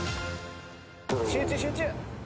・集中集中。